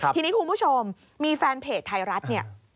ทีนี้คุณผู้ชมมีแฟนเพจไทยรัฐเนี่ย